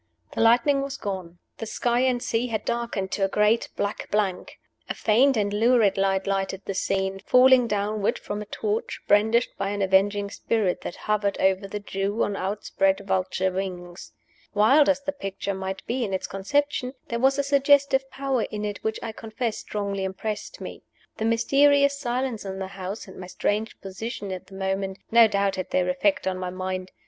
The lightning was gone. The sky and sea had darkened to a great black blank. A faint and lurid light lighted the scene, falling downward from a torch, brandished by an avenging Spirit that hovered over the Jew on outspread vulture wings. Wild as the picture might be in its conception, there was a suggestive power in it which I confess strongly impressed me. The mysterious silence in the house, and my strange position at the moment, no doubt had their effect on my mind.